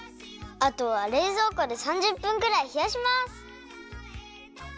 あとはれいぞうこで３０分くらいひやします。